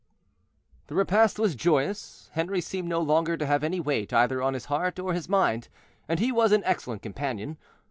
The repast was joyous. Henri seemed no longer to have any weight either on his heart or his mind, and he was an excellent companion.